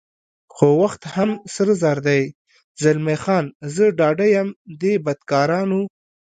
خو وخت هم سره زر دی، زلمی خان: زه ډاډه یم دې بدکارانو.